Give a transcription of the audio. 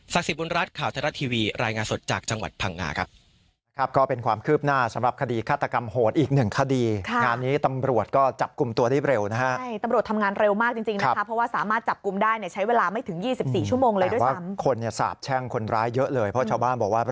สิทบุญรัฐข่าวไทยรัฐทีวีรายงานสดจากจังหวัดพังงาครับ